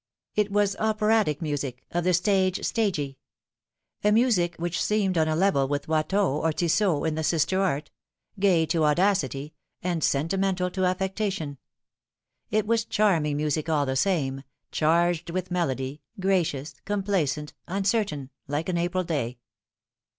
It was operatic music, of the stage stagey ; a music which seemed on a level with Watteau or Tissot in the sister art gay to audacity, and sentimental to affectation. It was charming music all the same charged with melody, gracious, complacent, uncertain, like an April day.